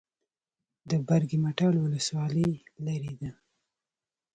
د برګ مټال ولسوالۍ لیرې ده